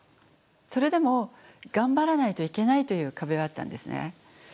それでも頑張らないといけないという壁はあったんですね。